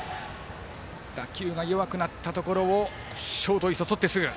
打球が弱くなったところをショートの磯がとってすぐ。